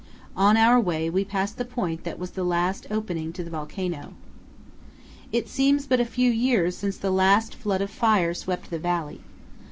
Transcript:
On our way we pass the point that was the last opening to the volcano. It seems but a few years since the last flood of fire swept the valley.